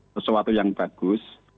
sesuatu yang bagus